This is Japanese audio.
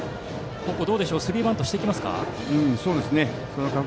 ここはスリーバントしてきますか。